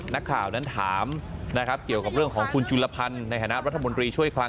นักข่าวนั้นถามนะครับเกี่ยวกับเรื่องของคุณจุลพันธ์ในฐานะรัฐมนตรีช่วยคลัง